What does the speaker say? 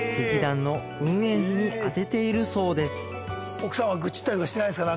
奥さんは愚痴ったりとかしてないですか？